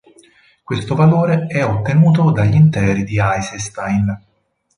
Questo valore è ottenuto dagli interi di Eisenstein.